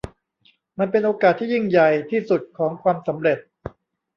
มันเป็นโอกาสที่ยิ่งใหญ่ที่สุดของความสำเร็จ